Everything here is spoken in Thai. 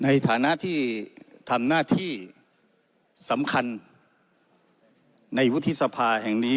ในฐานะที่ทำหน้าที่สำคัญในวุฒิสภาแห่งนี้